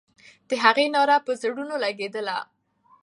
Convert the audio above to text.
د هغې ناره پر زړونو لګېدله.